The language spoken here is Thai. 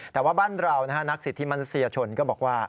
แต่ว่าบ้านเรานะฮะนักศิษย์ที่มันเศรษฐ์ชนก็บอกว่า